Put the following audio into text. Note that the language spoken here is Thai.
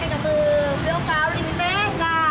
เวลาซื้อของก็จะต้องใช้อีกหลายรอบค่ะ